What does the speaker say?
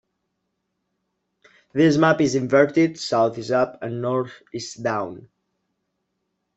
This map is inverted; south is up and north is down.